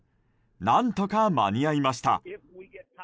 何とか間に合いました。